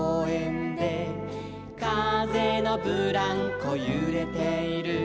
「かぜのブランコゆれている」